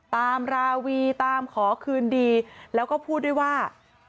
ราวีตามขอคืนดีแล้วก็พูดด้วยว่า